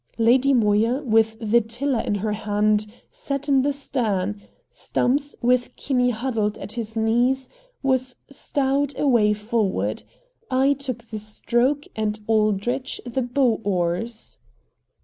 Lady Moya, with the tiller in her hand, sat in the stern; Stumps, with Kinney huddled at his knees, was stowed away forward. I took the stroke and Aldrich the bow oars.